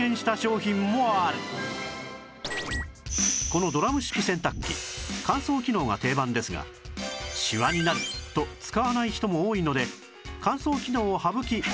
このドラム式洗濯機乾燥機能が定番ですがしわになると使わない人も多いので